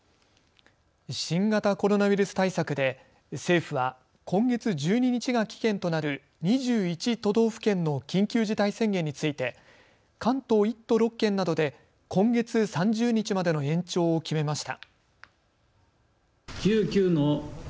新型コロナウイルス対策で政府は今月１２日が期限となる２１都道府県の緊急事態宣言について関東１都６県などで今月３０日までの延長を決めました。